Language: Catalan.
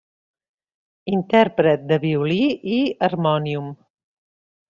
Intèrpret de violí i harmònium.